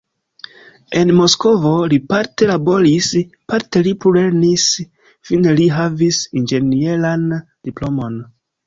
En Moskvo li parte laboris, parte li plulernis, fine li havis inĝenieran diplomon.